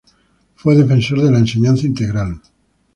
Fue defensor de la enseñanza integral.